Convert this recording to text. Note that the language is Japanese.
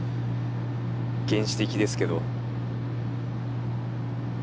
原始的ですけど。